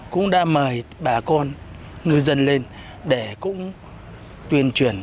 cũng đã mời bà con ngư dân lên để cũng tuyên truyền